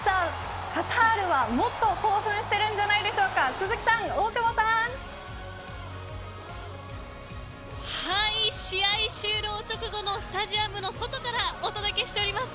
カタールはもっと興奮しているんじゃないでしょうか試合終了直後のスタジアムの外からお届けしております。